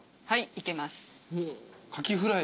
はいいけます。